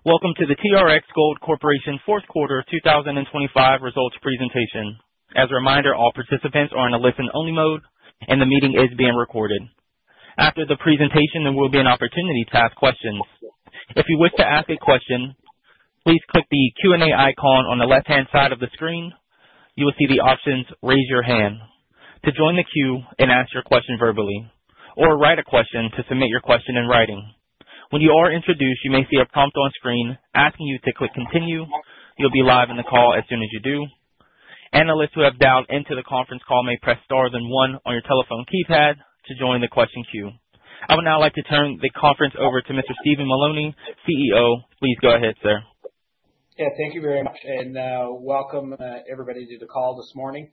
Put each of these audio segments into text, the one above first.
Welcome to the TRX Gold Corporation fourth quarter 2025 results presentation. As a reminder, all participants are in a listen-only mode, and the meeting is being recorded. After the presentation, there will be an opportunity to ask questions. If you wish to ask a question, please click the Q&A icon on the left-hand side of the screen. You will see the options "Raise Your Hand" to join the queue and ask your question verbally, or "Write a Question" to submit your question in writing. When you are introduced, you may see a prompt on screen asking you to click "Continue." You'll be live in the call as soon as you do. Analysts who have dialed into the conference call may press star, then one on your telephone keypad to join the question queue. I would now like to turn the conference over to Mr. Stephen Mullowney, CEO. Please go ahead, sir. Yeah, thank you very much, and welcome everybody to the call this morning.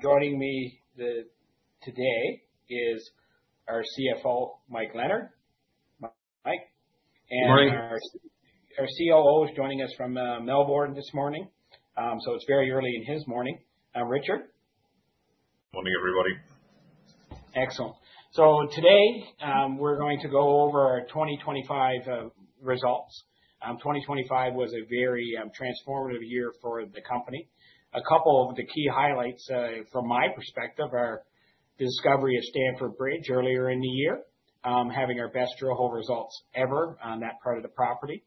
Joining me today is our CFO, Mike Leonard. Good morning. Our COO is joining us from Melbourne this morning, so it's very early in his morning. Richard? Morning, everybody. Excellent. Today we're going to go over our 2025 results. 2025 was a very transformative year for the company. A couple of the key highlights, from my perspective, are the discovery of Stamford Bridge earlier in the year, having our best drill-hole results ever on that part of the property.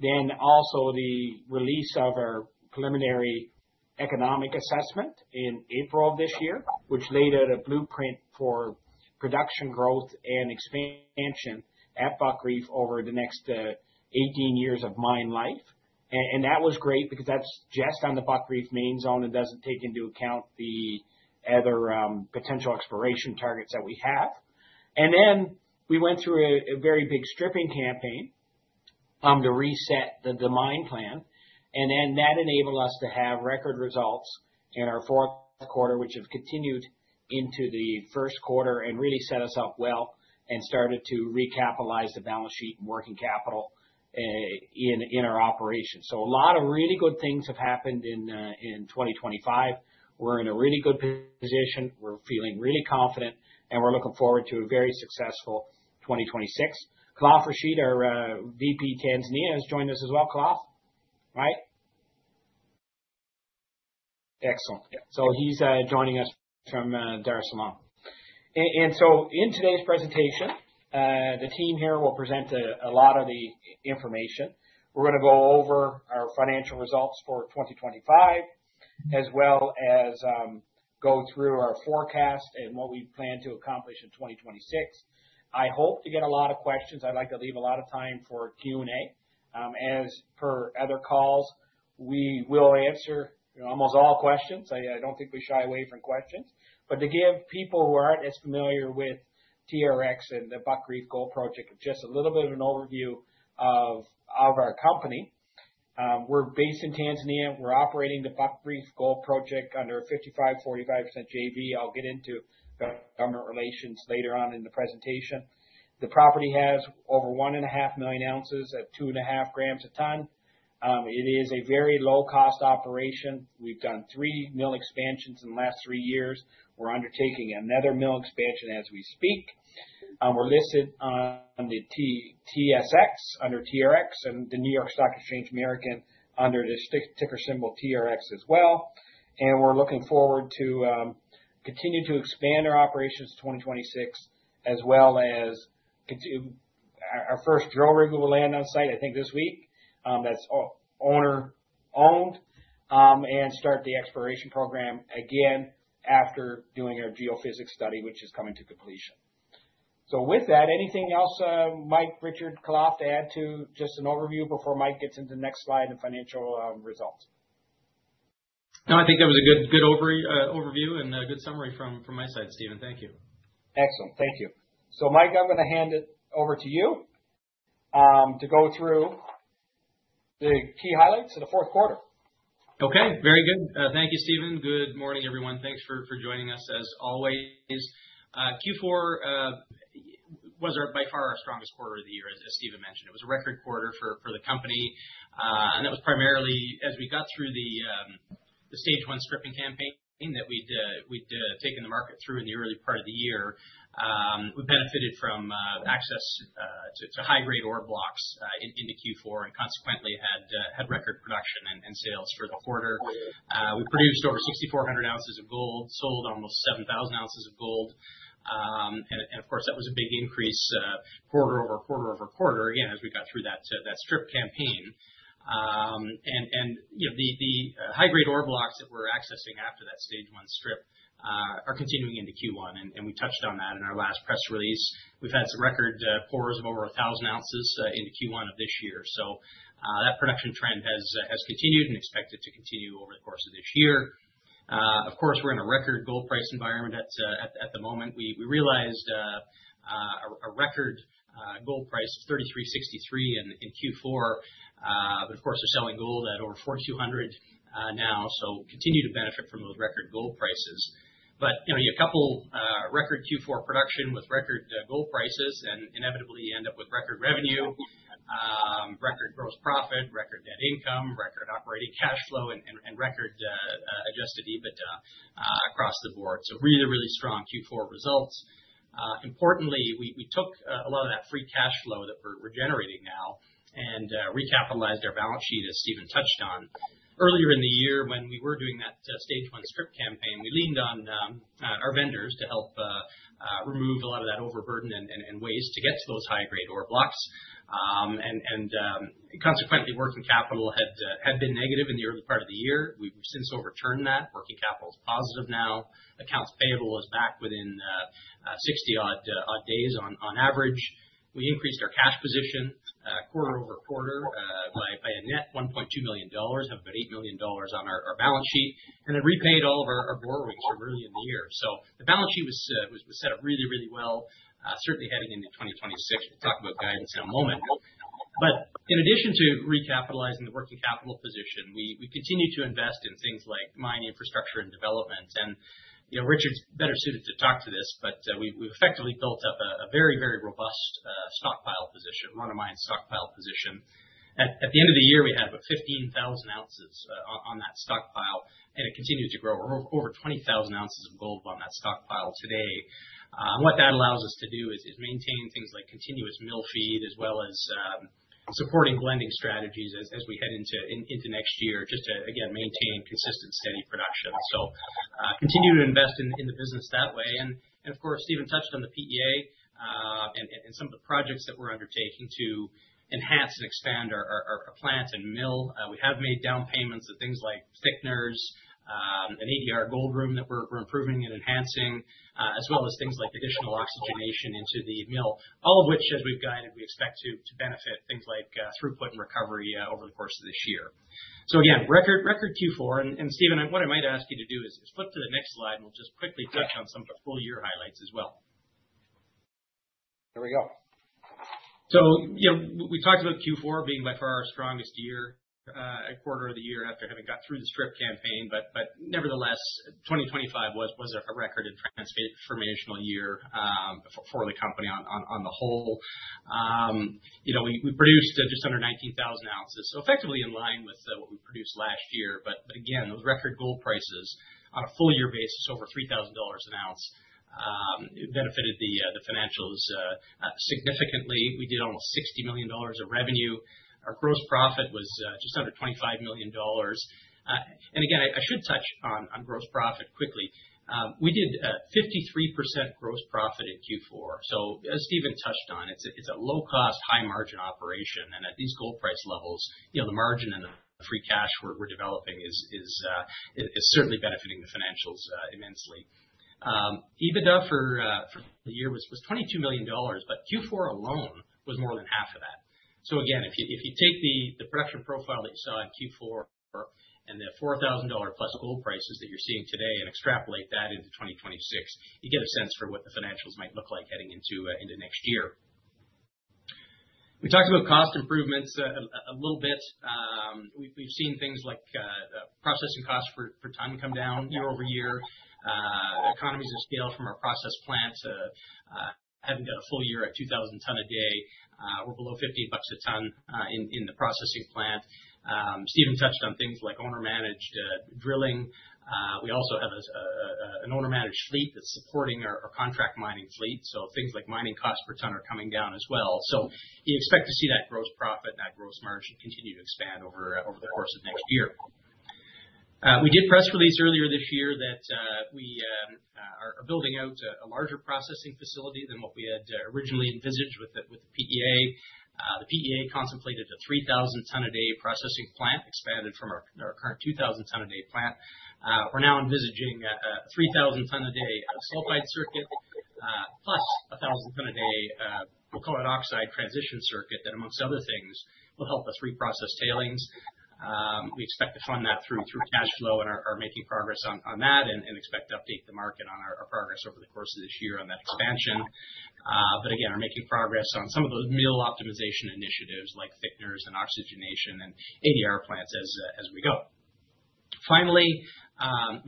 Then also the release of our preliminary economic assessment in April of this year, which laid out a blueprint for production growth and expansion at Buckreef over the next 18 years of mine life. And that was great because that's just on the Buckreef main zone and doesn't take into account the other potential exploration targets that we have. And then we went through a very big stripping campaign to reset the mine plan, and then that enabled us to have record results in our fourth quarter, which have continued into the first quarter and really set us up well and started to recapitalize the balance sheet and working capital in our operation. So a lot of really good things have happened in 2025. We're in a really good position. We're feeling really confident, and we're looking forward to a very successful 2026. Khalaf Rashid, our VP, Tanzania, has joined us as well. Khalaf, right? Excellent. So he's joining us from Dar es Salaam. And so in today's presentation, the team here will present a lot of the information. We're going to go over our financial results for 2025, as well as go through our forecast and what we plan to accomplish in 2026. I hope to get a lot of questions. I'd like to leave a lot of time for Q&A. As per other calls, we will answer almost all questions. I don't think we shy away from questions, but to give people who aren't as familiar with TRX and the Buckreef Gold Project just a little bit of an overview of our company, we're based in Tanzania. We're operating the Buckreef Gold Project under a 55-45% JV. I'll get into government relations later on in the presentation. The property has over 1.5 million ounces at 2.5 grams a ton. It is a very low-cost operation. We've done three mill expansions in the last three years. We're undertaking another mill expansion as we speak. We're listed on the TSX under TRX and the New York Stock Exchange American under the ticker symbol TRX as well. And we're looking forward to continue to expand our operations in 2026, as well as our first drill rig we will land on site, I think this week, that's owner-owned, and start the exploration program again after doing our geophysics study, which is coming to completion. So with that, anything else, Mike, Richard, Khalaf, to add to just an overview before Mike gets into the next slide and financial results? No, I think that was a good overview and a good summary from my side, Stephen. Thank you. Excellent. Thank you. So Mike, I'm going to hand it over to you to go through the key highlights of the fourth quarter. Okay. Very good. Thank you, Stephen. Good morning, everyone. Thanks for joining us as always. Q4 was by far our strongest quarter of the year, as Stephen mentioned. It was a record quarter for the company. And that was primarily as we got through the stage one stripping campaign that we'd taken the market through in the early part of the year. We benefited from access to high-grade ore blocks into Q4 and consequently had record production and sales for the quarter. We produced over 6,400 ounces of gold, sold almost 7,000 ounces of gold. And of course, that was a big increase quarter over quarter over quarter, again, as we got through that strip campaign. And the high-grade ore blocks that we're accessing after that stage one strip are continuing into Q1. And we touched on that in our last press release. We've had some record pours of over 1,000 ounces into Q1 of this year. So that production trend has continued and expected to continue over the course of this year. Of course, we're in a record gold price environment at the moment. We realized a record gold price of $3,363 in Q4. But of course, we're selling gold at over $4,200 now, so continue to benefit from those record gold prices. But coupled record Q4 production with record gold prices and inevitably end up with record revenue, record gross profit, record net income, record operating cash flow, and record Adjusted EBITDA across the board. So really, really strong Q4 results. Importantly, we took a lot of that free cash flow that we're generating now and recapitalized our balance sheet, as Stephen touched on. Earlier in the year, when we were doing that stage one strip campaign, we leaned on our vendors to help remove a lot of that overburden and waste to get to those high-grade ore blocks, and consequently, working capital had been negative in the early part of the year. We've since overturned that. Working capital is positive now. Accounts payable is back within 60-odd days on average. We increased our cash position quarter over quarter by a net $1.2 million, have about $8 million on our balance sheet, and then repaid all of our borrowings from earlier in the year, so the balance sheet was set up really, really well, certainly heading into 2026. We'll talk about guidance in a moment, but in addition to recapitalizing the working capital position, we continue to invest in things like mine infrastructure and development. And Richard's better suited to talk to this, but we've effectively built up a very, very robust stockpile position, run-of-mine stockpile position. At the end of the year, we had about 15,000 ounces on that stockpile. And it continues to grow over 20,000 ounces of gold on that stockpile today. And what that allows us to do is maintain things like continuous mill feed, as well as supporting blending strategies as we head into next year, just to, again, maintain consistent, steady production. So continue to invest in the business that way. And of course, Stephen touched on the PEA and some of the projects that we're undertaking to enhance and expand our plant and mill. We have made down payments to things like thickeners, an ADR gold room that we're improving and enhancing, as well as things like additional oxygenation into the mill, all of which, as we've guided, we expect to benefit things like throughput and recovery over the course of this year. So again, record Q4. And Stephen, what I might ask you to do is flip to the next slide, and we'll just quickly touch on some of the full year highlights as well. There we go. So we talked about Q4 being by far our strongest year, quarter of the year after having got through the strip campaign. But nevertheless, 2025 was a record and transformational year for the company on the whole. We produced just under 19,000 ounces, so effectively in line with what we produced last year. But again, those record gold prices on a full year basis, over $3,000 an ounce, benefited the financials significantly. We did almost $60 million of revenue. Our gross profit was just under $25 million. And again, I should touch on gross profit quickly. We did 53% gross profit in Q4. So as Stephen touched on, it's a low-cost, high-margin operation. And at these gold price levels, the margin and the free cash we're developing is certainly benefiting the financials immensely. EBITDA for the year was $22 million, but Q4 alone was more than half of that. So again, if you take the production profile that you saw in Q4 and the $4,000-plus gold prices that you're seeing today and extrapolate that into 2026, you get a sense for what the financials might look like heading into next year. We talked about cost improvements a little bit. We've seen things like processing costs per ton come down year over year. Economies of scale from our process plant haven't got a full year at 2,000 ton a day. We're below $15 a ton in the processing plant. Stephen touched on things like owner-managed drilling. We also have an owner-managed fleet that's supporting our contract mining fleet. So things like mining costs per ton are coming down as well. So you expect to see that gross profit and that gross margin continue to expand over the course of next year. We did press release earlier this year that we are building out a larger processing facility than what we had originally envisaged with the PEA. The PEA contemplated a 3,000-ton-a-day processing plant expanded from our current 2,000-ton-a-day plant. We're now envisaging a 3,000-ton-a-day sulfide circuit, plus a 1,000-ton-a-day, we'll call it oxide transition circuit that, amongst other things, will help us reprocess tailings. We expect to fund that through cash flow and are making progress on that and expect to update the market on our progress over the course of this year on that expansion. But again, we're making progress on some of those mill optimization initiatives like thickeners and oxygenation and ADR plants as we go. Finally,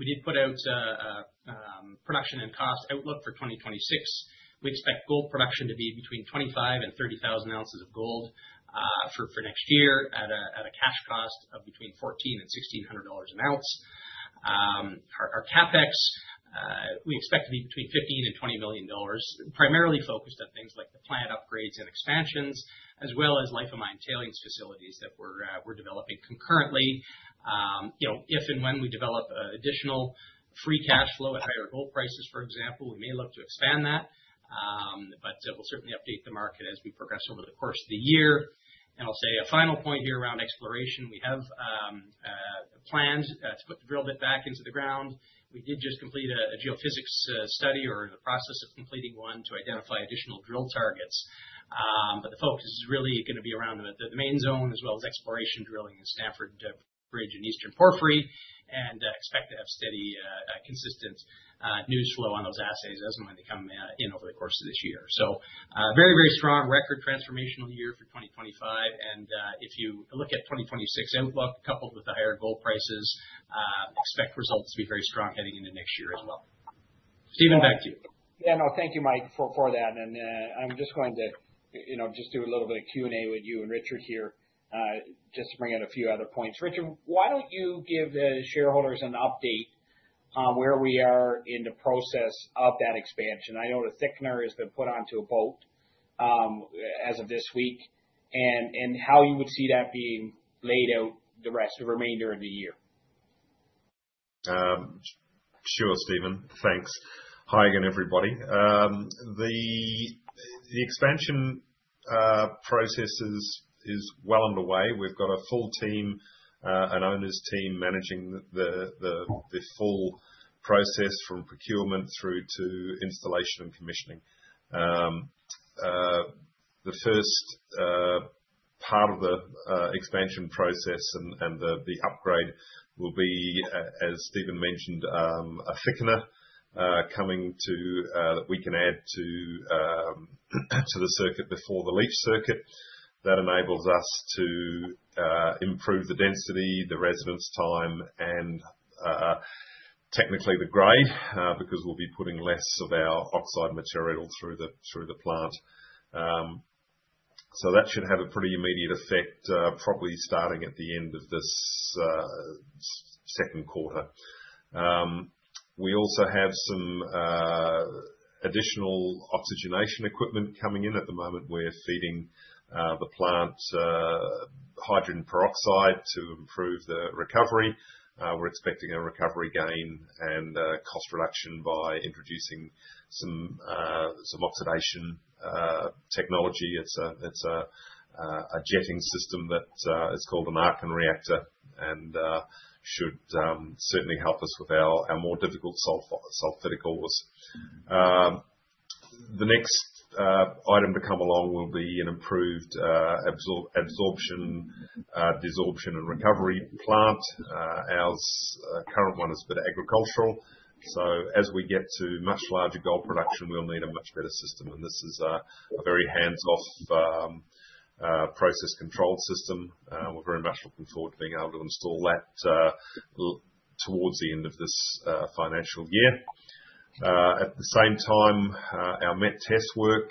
we did put out a production and cost outlook for 2026. We expect gold production to be between 25,000 and 30,000 ounces of gold for next year at a cash cost of between $1,400 and $1,600 an ounce. Our CapEx, we expect to be between $15,000 and $20,000, primarily focused on things like the plant upgrades and expansions, as well as life of mine tailings facilities that we're developing concurrently. If and when we develop additional free cash flow at higher gold prices, for example, we may look to expand that. But we'll certainly update the market as we progress over the course of the year. And I'll say a final point here around exploration. We have plans to put the drill bit back into the ground. We did just complete a geophysics study or the process of completing one to identify additional drill targets. But the focus is really going to be around the main zone, as well as exploration drilling in Stamford Bridge and Eastern Porphyry, and expect to have steady, consistent news flow on those assays as and when they come in over the course of this year. So very, very strong record transformational year for 2025. And if you look at 2026 outlook coupled with the higher gold prices, expect results to be very strong heading into next year as well. Stephen, back to you. Yeah, no, thank you, Mike, for that. And I'm just going to just do a little bit of Q&A with you and Richard here just to bring in a few other points. Richard, why don't you give shareholders an update on where we are in the process of that expansion? I know the thickener has been put onto a boat as of this week. And how you would see that being laid out the remainder of the year? Sure, Stephen. Thanks. Hi again, everybody. The expansion process is well underway. We've got a full team and owners' team managing the full process from procurement through to installation and commissioning. The first part of the expansion process and the upgrade will be, as Stephen mentioned, a thickener coming that we can add to the circuit before the leach circuit. That enables us to improve the density, the residence time, and technically the grade, because we'll be putting less of our oxide material through the plant. So that should have a pretty immediate effect, probably starting at the end of this second quarter. We also have some additional oxygenation equipment coming in at the moment. We're feeding the plant hydrogen peroxide to improve the recovery. We're expecting a recovery gain and cost reduction by introducing some oxidation technology. It's a jetting system that is called an Aachen Reactor and should certainly help us with our more difficult sulfidics. The next item to come along will be an improved adsorption, desorption, and recovery plant. Our current one is a bit agricultural, so as we get to much larger gold production, we'll need a much better system, and this is a very hands-off process control system. We're very much looking forward to being able to install that towards the end of this financial year. At the same time, our met test work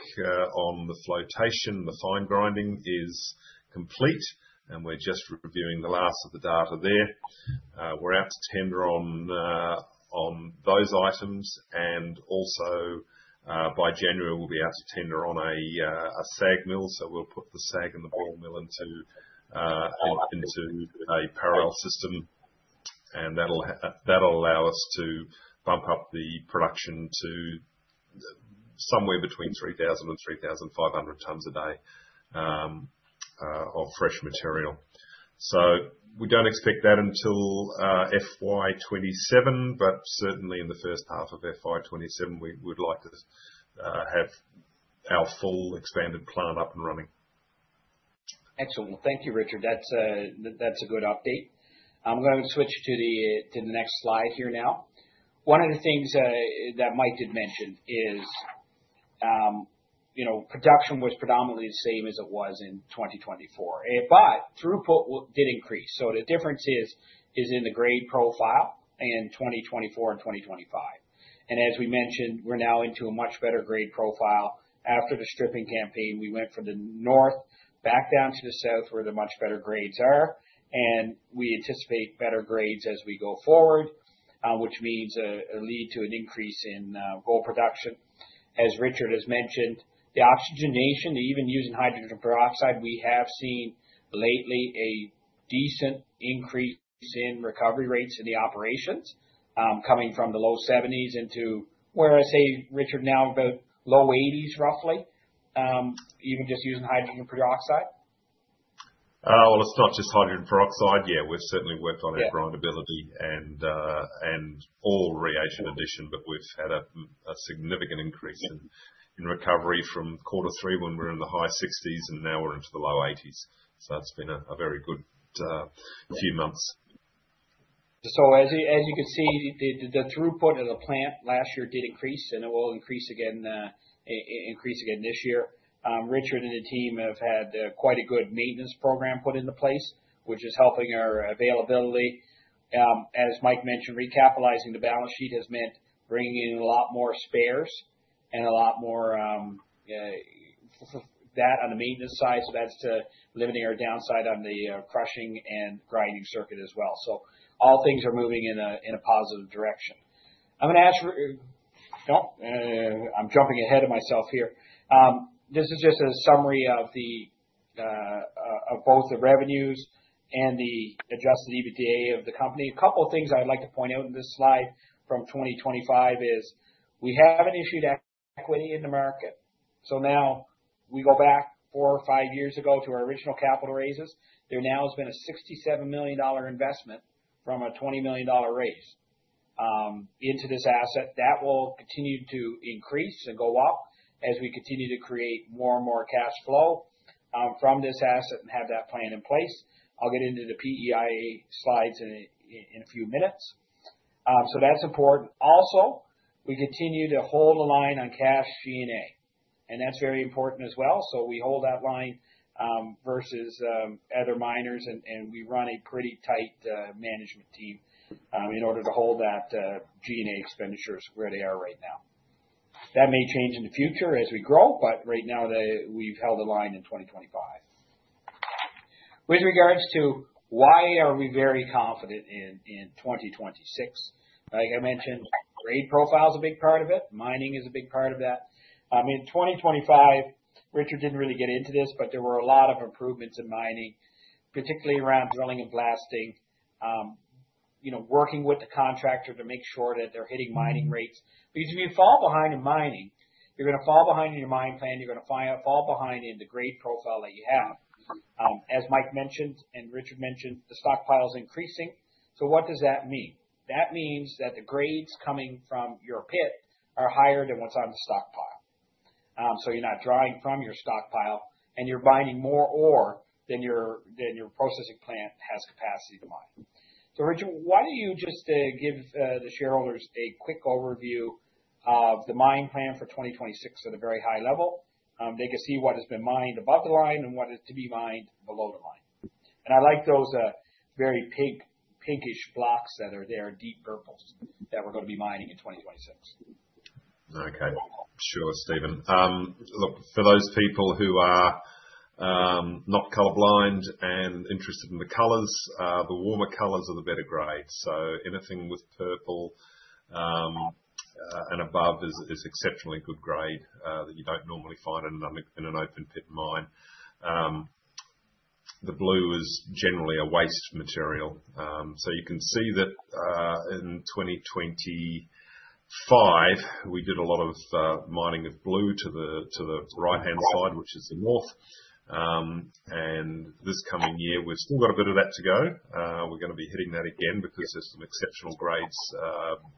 on the flotation, the fine grinding is complete, and we're just reviewing the last of the data there. We're out to tender on those items, and also by January, we'll be out to tender on a SAG mill, so we'll put the SAG and the ball mill into a parallel system. And that'll allow us to bump up the production to somewhere between 3,000 and 3,500 tons a day of fresh material. So we don't expect that until FY27, but certainly in the first half of FY27, we would like to have our full expanded plant up and running. Excellent. Well, thank you, Richard. That's a good update. I'm going to switch to the next slide here now. One of the things that Mike did mention is production was predominantly the same as it was in 2024, but throughput did increase. So the difference is in the grade profile in 2024 and 2025. And as we mentioned, we're now into a much better grade profile. After the stripping campaign, we went from the north back down to the south where the much better grades are. And we anticipate better grades as we go forward, which means will lead to an increase in gold production. As Richard has mentioned, the oxygenation, even using hydrogen peroxide, we have seen lately a decent increase in recovery rates in the operations coming from the low 70s into where I say, Richard, now about low 80s roughly, even just using hydrogen peroxide. It's not just hydrogen peroxide. Yeah, we've certainly worked on our grindability and all reagent addition, but we've had a significant increase in recovery from quarter three when we were in the high 60s, and now we're into the low 80s. It's been a very good few months. So as you can see, the throughput of the plant last year did increase, and it will increase again this year. Richard and the team have had quite a good maintenance program put into place, which is helping our availability. As Mike mentioned, recapitalizing the balance sheet has meant bringing in a lot more spares and a lot more of that on the maintenance side. So that's limiting our downside on the crushing and grinding circuit as well. So all things are moving in a positive direction. I'm going to ask for-nope, I'm jumping ahead of myself here. This is just a summary of both the revenues and the Adjusted EBITDA of the company. A couple of things I'd like to point out in this slide from 2025 is we haven't issued equity in the market. So now we go back four or five years ago to our original capital raises. There now has been a $67 million investment from a $20 million raise into this asset. That will continue to increase and go up as we continue to create more and more cash flow from this asset and have that plan in place. I'll get into the PEA slides in a few minutes. So that's important. Also, we continue to hold the line on cash G&A, and that's very important as well. So we hold that line versus other miners, and we run a pretty tight management team in order to hold that G&A expenditures where they are right now. That may change in the future as we grow, but right now we've held the line in 2025. With regards to why are we very confident in 2026, like I mentioned, grade profile is a big part of it. Mining is a big part of that. In 2025, Richard didn't really get into this, but there were a lot of improvements in mining, particularly around drilling and blasting, working with the contractor to make sure that they're hitting mining rates. Because if you fall behind in mining, you're going to fall behind in your mine plan. You're going to fall behind in the grade profile that you have. As Mike mentioned and Richard mentioned, the stockpile is increasing. So what does that mean? That means that the grades coming from your pit are higher than what's on the stockpile. So you're not drawing from your stockpile and you're mining more ore than your processing plant has capacity to mine. Richard, why don't you just give the shareholders a quick overview of the mine plan for 2026 at a very high level? They can see what has been mined above the line and what is to be mined below the line. I like those very pinkish blocks that are there, deep purples, that we're going to be mining in 2026. Okay. Sure, Stephen. Look, for those people who are not colorblind and interested in the colors, the warmer colors are the better grade. So anything with purple and above is exceptionally good grade that you don't normally find in an open pit mine. The blue is generally a waste material. So you can see that in 2025, we did a lot of mining of blue to the right-hand side, which is the north, and this coming year, we've still got a bit of that to go. We're going to be hitting that again because there's some exceptional grades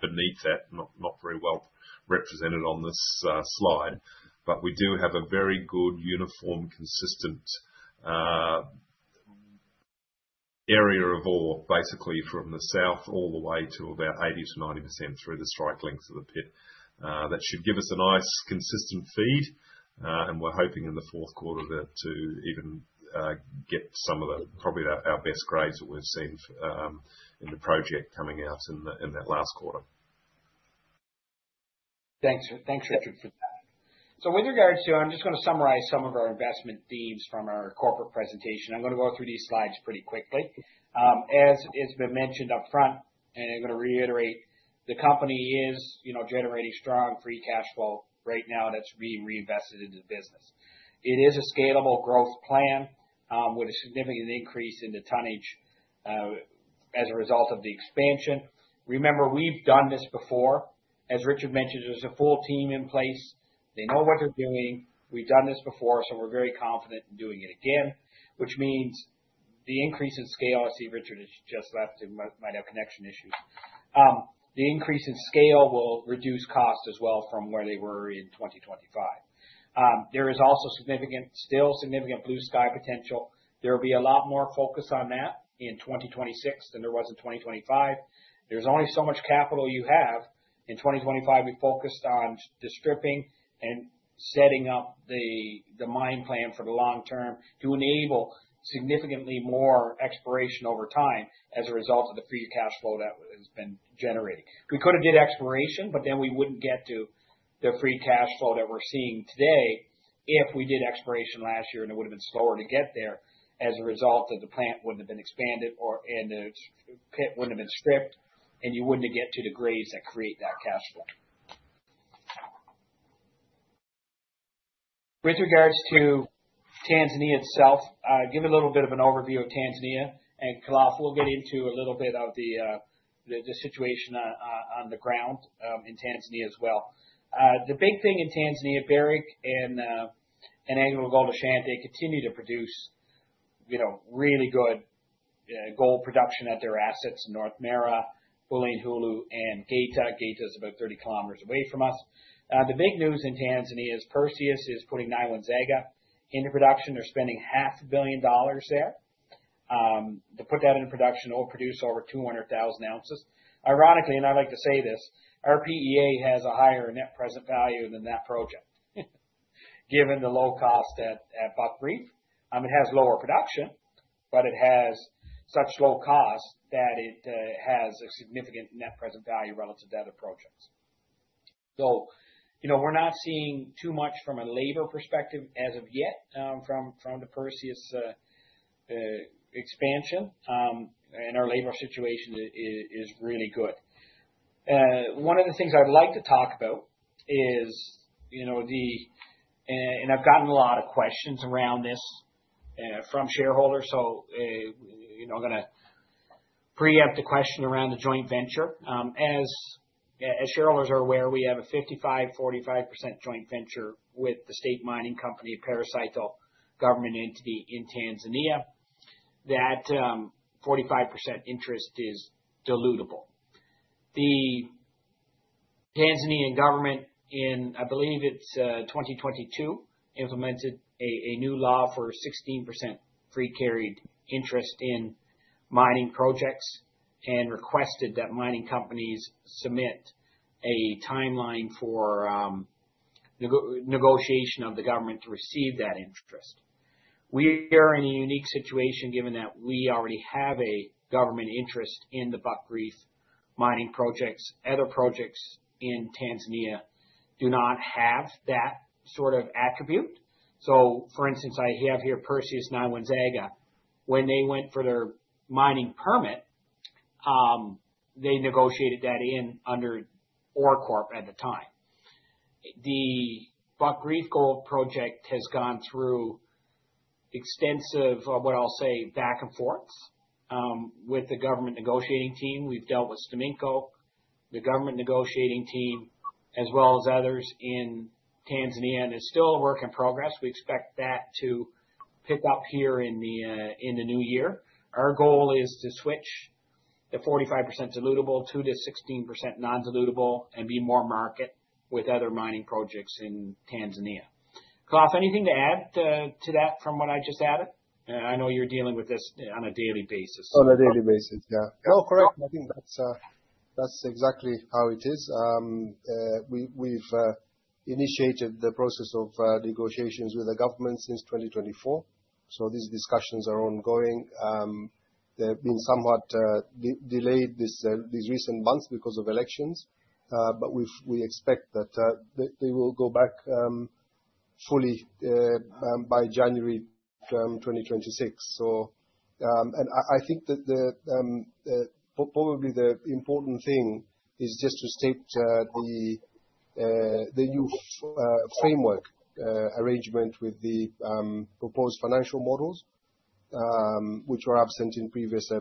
beneath that, not very well represented on this slide, but we do have a very good uniform, consistent area of ore, basically from the south all the way to about 80%-90% through the strike length of the pit. That should give us a nice consistent feed. We're hoping in the fourth quarter to even get some of the, probably our best grades that we've seen in the project coming out in that last quarter. Thanks, Richard, for that. So with regards to, I'm just going to summarize some of our investment themes from our corporate presentation. I'm going to go through these slides pretty quickly. As has been mentioned upfront, and I'm going to reiterate, the company is generating strong free cash flow right now that's being reinvested into the business. It is a scalable growth plan with a significant increase in the tonnage as a result of the expansion. Remember, we've done this before. As Richard mentioned, there's a full team in place. They know what they're doing. We've done this before, so we're very confident in doing it again, which means the increase in scale. I see Richard has just left. He might have connection issues. The increase in scale will reduce cost as well from where they were in 2025. There is also still significant blue sky potential. There will be a lot more focus on that in 2026 than there was in 2025. There's only so much capital you have. In 2025, we focused on the stripping and setting up the mine plan for the long term to enable significantly more exploration over time as a result of the free cash flow that has been generated. We could have did exploration, but then we wouldn't get to the free cash flow that we're seeing today if we did exploration last year, and it would have been slower to get there as a result of the plant wouldn't have been expanded and the pit wouldn't have been stripped, and you wouldn't get to the grades that create that cash flow. With regards to Tanzania itself, give a little bit of an overview of Tanzania and Khalaf. We'll get into a little bit of the situation on the ground in Tanzania as well. The big thing in Tanzania, Barrick and AngloGold Ashanti, continue to produce really good gold production at their assets in North Mara, Bulyanhulu, and Geita. Geita is about 30 km away from us. The big news in Tanzania is Perseus is putting Nyanzaga into production. They're spending $500 million there to put that into production or produce over 200,000 ounces. Ironically, and I like to say this, our PEA has a higher net present value than that project given the low cost at Buckreef. It has lower production, but it has such low cost that it has a significant net present value relative to other projects. So we're not seeing too much from a labor perspective as of yet from the Perseus expansion, and our labor situation is really good. One of the things I'd like to talk about is the—and I've gotten a lot of questions around this from shareholders. So I'm going to preempt the question around the joint venture. As shareholders are aware, we have a 55%-45% joint venture with the state mining company, STAMICO, government entity in Tanzania. That 45% interest is dilutable. The Tanzanian government, in I believe it's 2022, implemented a new law for 16% free-carried interest in mining projects and requested that mining companies submit a timeline for negotiation of the government to receive that interest. We are in a unique situation given that we already have a government interest in the Buckreef mining projects. Other projects in Tanzania do not have that sort of attribute. So for instance, I have here Perseus Nyanzaga. When they went for their mining permit, they negotiated that in under OreCorp at the time. The Buckreef Gold Project has gone through extensive, what I'll say, back and forth with the government negotiating team. We've dealt with STAMICO. The government negotiating team, as well as others in Tanzania, is still a work in progress. We expect that to pick up here in the new year. Our goal is to switch the 45% dilutable to the 16% non-dilutable and be more market with other mining projects in Tanzania. Khalaf, anything to add to that from what I just added? I know you're dealing with this on a daily basis. On a daily basis, yeah. No, correct. I think that's exactly how it is. We've initiated the process of negotiations with the government since 2024, so these discussions are ongoing. They've been somewhat delayed these recent months because of elections, but we expect that they will go back fully by January 2026, and I think that probably the important thing is just to state the new framework arrangement with the proposed financial models, which were absent in previous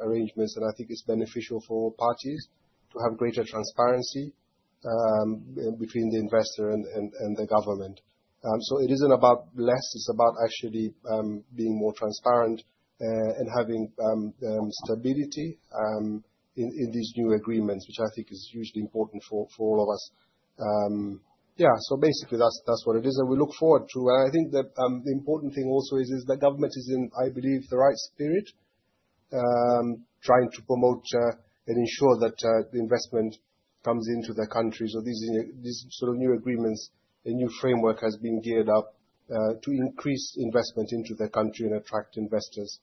arrangements, and I think it's beneficial for all parties to have greater transparency between the investor and the government, so it isn't about less. It's about actually being more transparent and having stability in these new agreements, which I think is hugely important for all of us. Yeah, so basically that's what it is. And we look forward to, and I think the important thing also is that government is in, I believe, the right spirit trying to promote and ensure that the investment comes into the country. So these sort of new agreements, a new framework has been geared up to increase investment into the country and attract investors.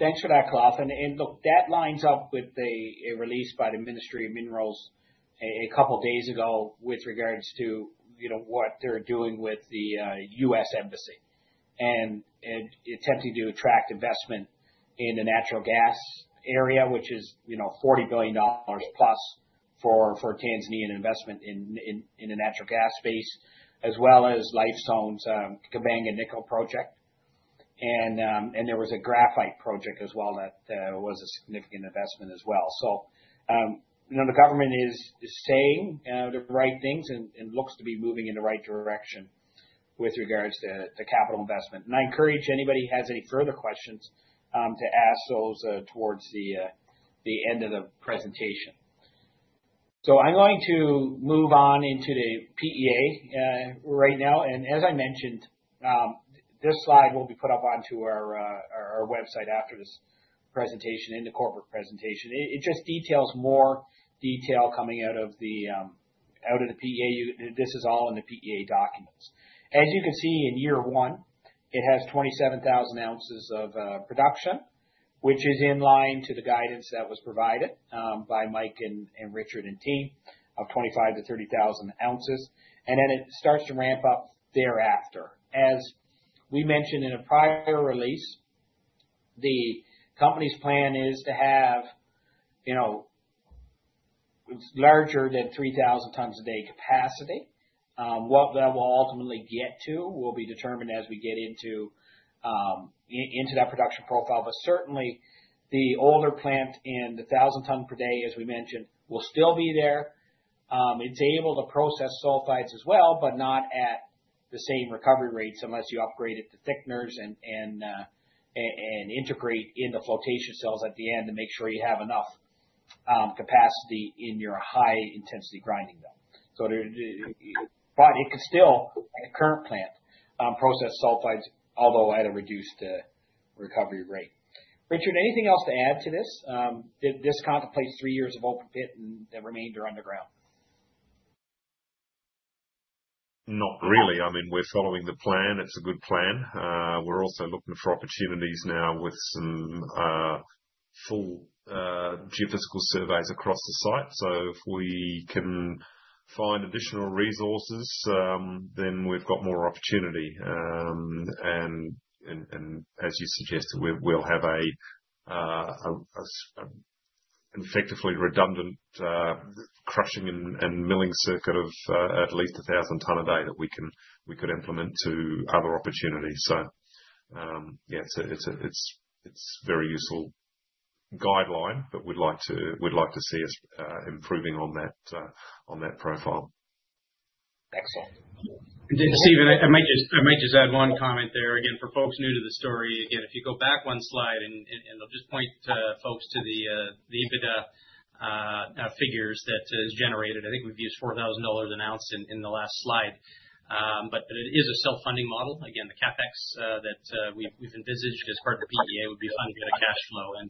Thanks for that, Khalaf. And look, that lines up with a release by the Ministry of Minerals a couple of days ago with regards to what they're doing with the U.S. Embassy and attempting to attract investment in the natural gas area, which is $40 billion plus for Tanzanian investment in the natural gas space, as well as Lifezone's Kabanga Nickel project. And there was a graphite project as well that was a significant investment as well. So the government is saying the right things and looks to be moving in the right direction with regards to capital investment. And I encourage anybody who has any further questions to ask those towards the end of the presentation. So I'm going to move on into the PEA right now. And as I mentioned, this slide will be put up onto our website after this presentation in the corporate presentation. It just details more detail coming out of the PEA. This is all in the PEA documents. As you can see in year one, it has 27,000 ounces of production, which is in line to the guidance that was provided by Mike and Richard and team of 25,000-30,000 ounces, and then it starts to ramp up thereafter. As we mentioned in a prior release, the company's plan is to have larger than 3,000 tons a day capacity. What that will ultimately get to will be determined as we get into that production profile, but certainly, the older plant and the 1,000 tons per day, as we mentioned, will still be there. It's able to process sulfides as well, but not at the same recovery rates unless you upgrade it to thickeners and integrate into flotation cells at the end to make sure you have enough capacity in your high-intensity grinding mill. But it can still, at the current plant, process sulfides, although at a reduced recovery rate. Richard, anything else to add to this? This contemplates three years of open pit and the remainder underground. Not really. I mean, we're following the plan. It's a good plan. We're also looking for opportunities now with some full geophysical surveys across the site, so if we can find additional resources, then we've got more opportunity, and as you suggested, we'll have an effectively redundant crushing and milling circuit of at least 1,000 tons a day that we could implement to other opportunities, so yeah, it's a very useful guideline, but we'd like to see us improving on that profile. Excellent. Stephen, I might just add one comment there. Again, for folks new to the story, again, if you go back one slide, and I'll just point folks to the EBITDA figures that is generated. I think we've used $4,000 an ounce in the last slide. But it is a self-funding model. Again, the CapEx that we've envisaged as part of the PEA would be funded by cash flow. And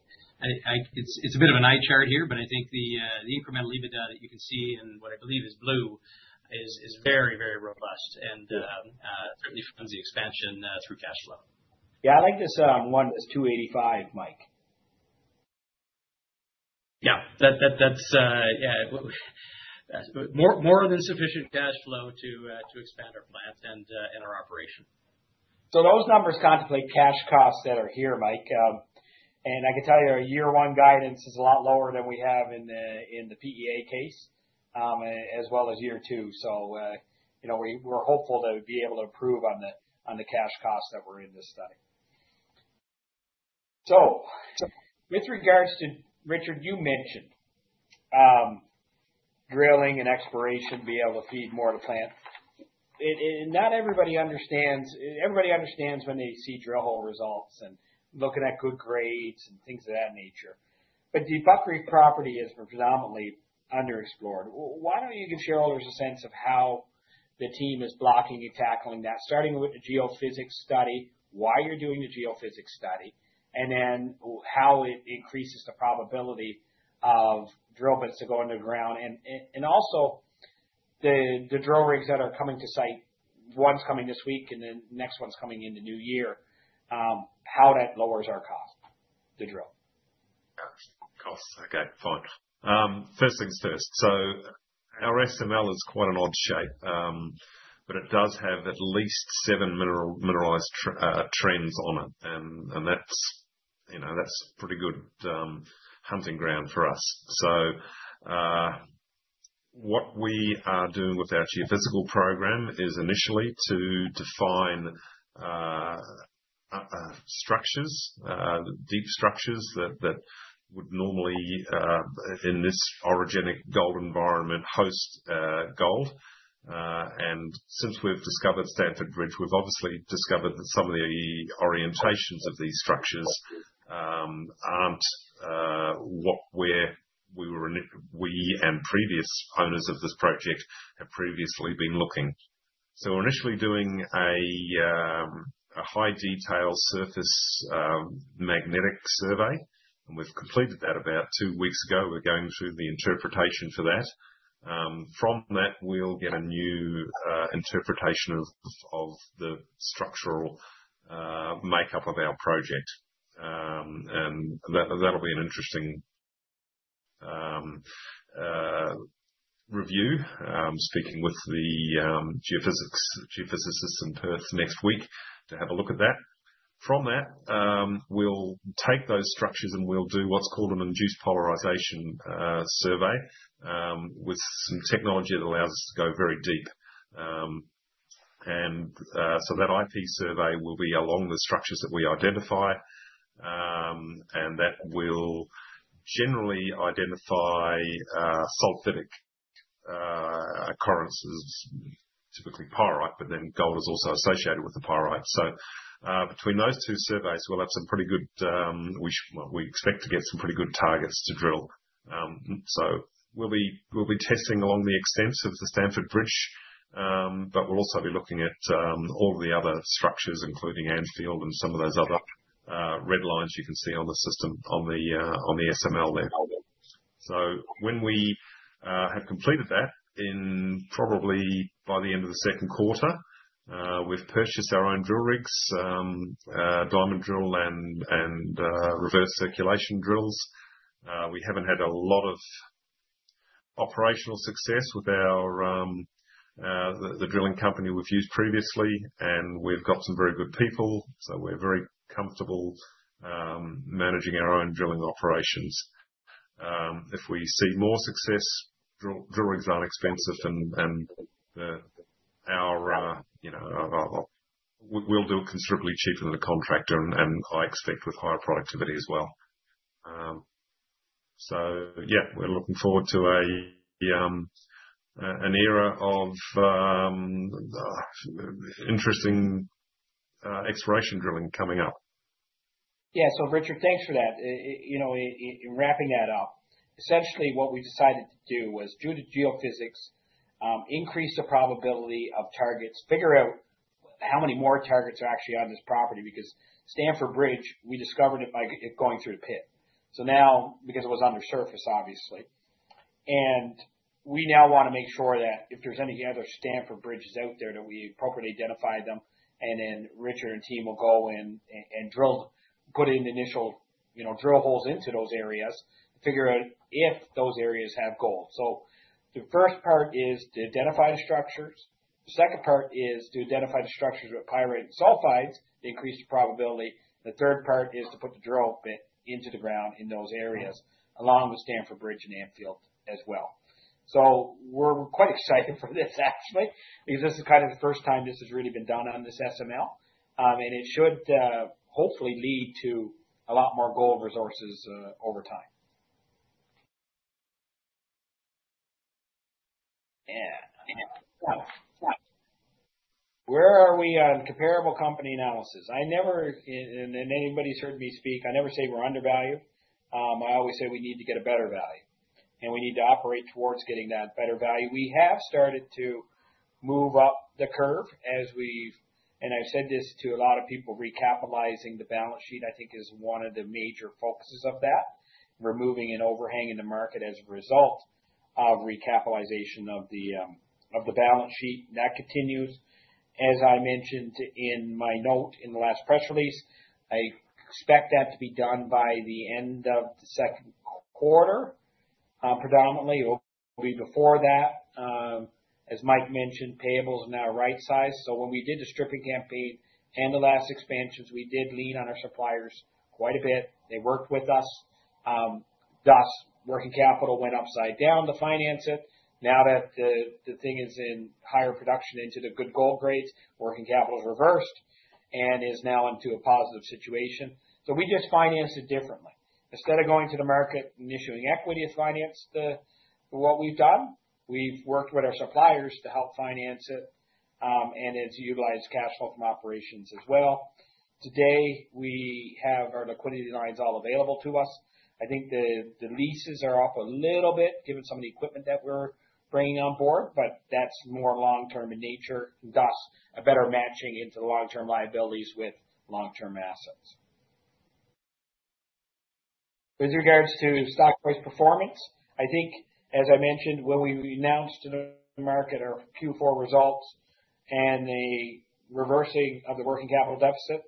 it's a bit of an eye chart here, but I think the incremental EBITDA that you can see in what I believe is blue is very, very robust and certainly funds the expansion through cash flow. Yeah, I like this one. It's 285, Mike. Yeah. That's more than sufficient cash flow to expand our plant and our operation. So those numbers contemplate cash costs that are here, Mike. And I can tell you our year one guidance is a lot lower than we have in the PEA case, as well as year two. So we're hopeful to be able to improve on the cash costs that we're in this study. So with regards to, Richard, you mentioned drilling and exploration to be able to feed more to the plant. Not everybody understands when they see drill hole results and looking at good grades and things of that nature. But the Buckreef property is predominantly underexplored. Why don't you give shareholders a sense of how the team is blocking and tackling that, starting with the geophysics study, why you're doing the geophysics study, and then how it increases the probability of drill bits to go underground. Also, the drill rigs that are coming to site. One's coming this week and the next one's coming into new year, how that lowers our cost to drill. Costs. Okay, fine. First things first. So our SML is quite an odd shape, but it does have at least seven mineralized trends on it. And that's pretty good hunting ground for us. So what we are doing with our geophysical program is initially to define structures, deep structures that would normally, in this orogenic gold environment, host gold. And since we've discovered Stamford Bridge, we've obviously discovered that some of the orientations of these structures aren't what we and previous owners of this project have previously been looking. So we're initially doing a high-detail surface magnetic survey. And we've completed that about two weeks ago. We're going through the interpretation for that. From that, we'll get a new interpretation of the structural makeup of our project. And that'll be an interesting review, speaking with the geophysicists in Perth next week to have a look at that. From that, we'll take those structures and we'll do what's called an induced polarization survey with some technology that allows us to go very deep, and so that IP survey will be along the structures that we identify, and that will generally identify sulfidic occurrences, typically pyrite, but then gold is also associated with the pyrite, so between those two surveys, we'll have some pretty good, we expect to get some pretty good targets to drill, so we'll be testing along the extents of the Stamford Bridge, but we'll also be looking at all of the other structures, including Anfield and some of those other red lines you can see on the system, on the SML there, so when we have completed that, probably by the end of the second quarter, we've purchased our own drill rigs, diamond drill, and reverse circulation drills. We haven't had a lot of operational success with the drilling company we've used previously, and we've got some very good people, so we're very comfortable managing our own drilling operations. If we see more success, drill rigs aren't expensive, and we'll do it considerably cheaper than a contractor, and I expect with higher productivity as well, so yeah, we're looking forward to an era of interesting exploration drilling coming up. Yeah, so Richard, thanks for that. In wrapping that up, essentially what we decided to do was, due to geophysics, increase the probability of targets, figure out how many more targets are actually on this property, because Stamford Bridge, we discovered it by going through the pit, so now, because it was under surface, obviously, and we now want to make sure that if there's any other Stamford Bridges out there, that we appropriately identify them, and then Richard and team will go in and drill, put in initial drill holes into those areas, figure out if those areas have gold, so the first part is to identify the structures. The second part is to identify the structures with pyrite and sulfides to increase the probability. The third part is to put the drill bit into the ground in those areas, along with Stamford Bridge and Anfield as well. So we're quite excited for this, actually, because this is kind of the first time this has really been done on this SML. And it should hopefully lead to a lot more gold resources over time. Yeah. Where are we on comparable company analysis? And anybody's heard me speak, I never say we're undervalued. I always say we need to get a better value. And we need to operate towards getting that better value. We have started to move up the curve. And I've said this to a lot of people, recapitalizing the balance sheet, I think, is one of the major focuses of that, removing an overhang in the market as a result of recapitalization of the balance sheet. And that continues. As I mentioned in my note in the last press release, I expect that to be done by the end of the second quarter. Predominantly, it'll be before that. As Mike mentioned, payables are now right-sized so when we did the stripping campaign and the last expansions, we did lean on our suppliers quite a bit. They worked with us. Thus, working capital went upside down to finance it. Now that the thing is in higher production into the good gold grades, working capital is reversed and is now into a positive situation. So we just finance it differently. Instead of going to the market and issuing equity to finance what we've done, we've worked with our suppliers to help finance it and it's utilized cash flow from operations as well. Today, we have our liquidity lines all available to us. I think the leases are up a little bit given some of the equipment that we're bringing on board, but that's more long-term in nature. Thus, a better matching into the long-term liabilities with long-term assets. With regards to stock price performance, I think, as I mentioned, when we announced to the market our Q4 results and the reversing of the working capital deficit,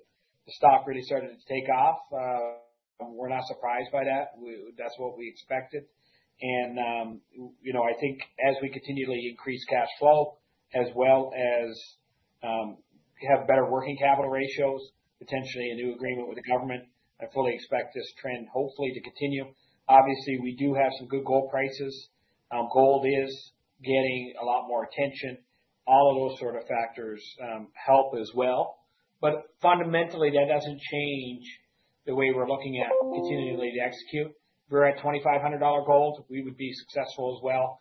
the stock really started to take off. We're not surprised by that. That's what we expected, and I think as we continually increase cash flow, as well as have better working capital ratios, potentially a new agreement with the government, I fully expect this trend hopefully to continue. Obviously, we do have some good gold prices. Gold is getting a lot more attention. All of those sort of factors help as well, but fundamentally, that doesn't change the way we're looking at continually to execute. If we're at $2,500 gold, we would be successful as well,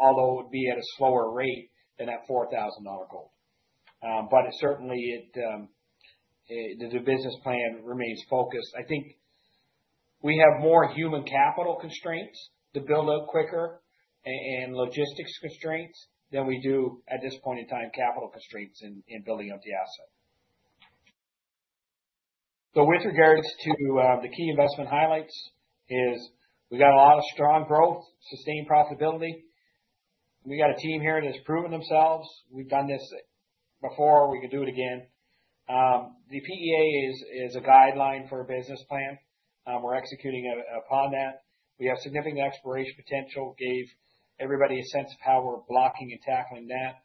although it would be at a slower rate than at $4,000 gold. But certainly, the business plan remains focused. I think we have more human capital constraints to build out quicker and logistics constraints than we do, at this point in time, capital constraints in building out the asset. So with regards to the key investment highlights is we've got a lot of strong growth, sustained profitability. We've got a team here that's proven themselves. We've done this before. We can do it again. The PEA is a guideline for a business plan. We're executing upon that. We have significant exploration potential. It gave everybody a sense of how we're blocking and tackling that.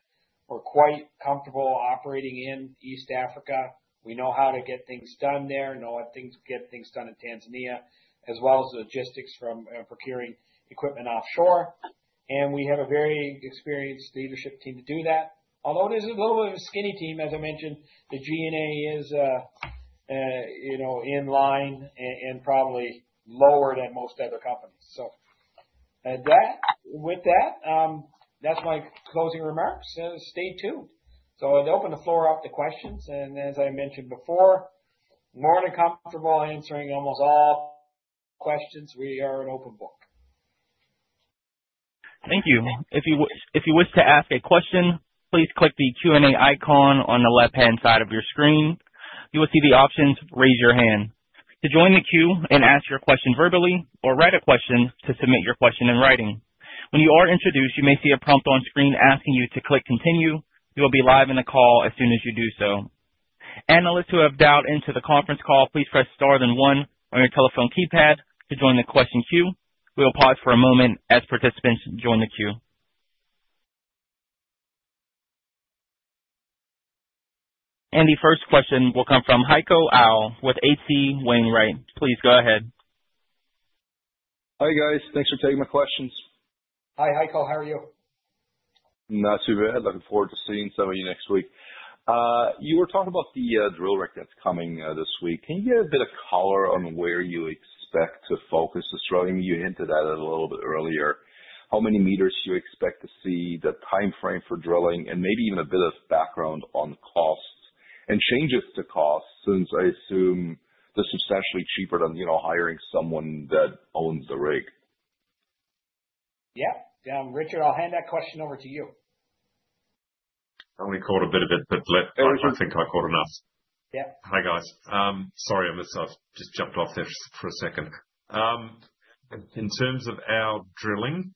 We're quite comfortable operating in East Africa. We know how to get things done there, know how to get things done in Tanzania, as well as logistics from procuring equipment offshore. And we have a very experienced leadership team to do that. Although it is a little bit of a skinny team, as I mentioned, the G&A is in line and probably lower than most other companies, so with that, that's my closing remarks. Stay tuned, so I'd open the floor up to questions, and as I mentioned before, more than comfortable answering almost all questions. We are an open book. Thank you. If you wish to ask a question, please click the Q&A icon on the left-hand side of your screen. You will see the options raise your hand. To join the queue and ask your question verbally or write a question to submit your question in writing. When you are introduced, you may see a prompt on screen asking you to click continue. You will be live in the call as soon as you do so. Analysts who have dialed into the conference call, please press star then one on your telephone keypad to join the question queue. We will pause for a moment as participants join the queue, and the first question will come from Heiko Ihle with H.C. Wainwright. Please go ahead. Hi guys. Thanks for taking my questions. Hi Heiko. How are you? Not too bad. Looking forward to seeing some of you next week. You were talking about the drill rig that's coming this week. Can you give a bit of color on where you expect to focus this drilling? You hinted at it a little bit earlier. How many meters do you expect to see the timeframe for drilling and maybe even a bit of background on costs and changes to costs since I assume they're substantially cheaper than hiring someone that owns the rig? Yeah. Richard, I'll hand that question over to you. I only caught a bit of it, but I think I caught enough. Yeah. Hi guys. Sorry, I just jumped off there for a second. In terms of our drilling,